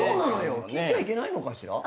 聞いちゃいけないのかしら。